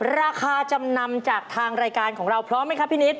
ราคาจำนำจากทางรายการของเราพร้อมไหมครับพี่นิด